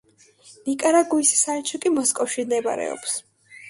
ნიკარაგუის საელჩო კი მოსკოვში მდებარეობს.